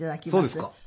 そうですか。